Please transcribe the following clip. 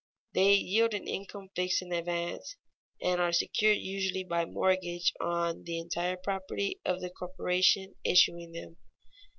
They yield an income fixed in advance, and are secured usually by mortgage on the entire property of the corporation issuing them.